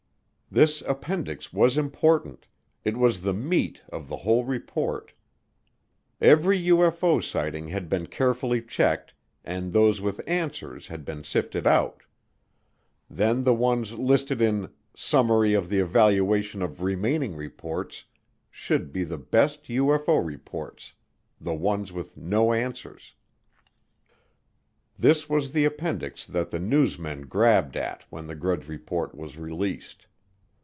This appendix was important it was the meat of the whole report. Every UFO sighting had been carefully checked, and those with answers had been sifted out. Then the ones listed in "Summary of the Evaluation of Remaining Reports" should be the best UFO reports the ones with no answers. This was the appendix that the newsmen grabbed at when the Grudge Report was released.